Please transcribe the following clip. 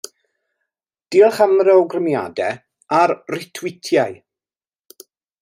Diolch am yr awgrymiadau, a'r rîtwîtiau.